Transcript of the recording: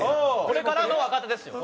これからの若手ですよ。